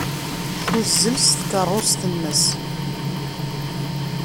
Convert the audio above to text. Tuzzel s tkeṛṛust-nnes.